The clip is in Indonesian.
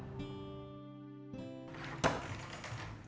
sekecil apapun harus disyukuri